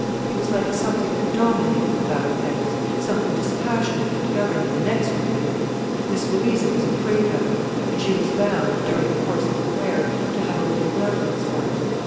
He was like something that dominated the bowed heads, something dispassionate that governed them inexorably. Miss Louisa was afraid of him. And she was bound, during the course of the prayer, to have a little reverence for him.